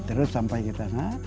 terus sampai kita